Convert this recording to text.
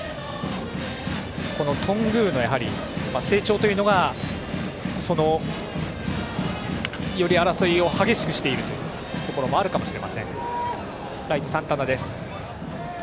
頓宮の成長というのがより争いを激しくしているところもあるかもしれません。